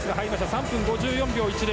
３分５４秒１０。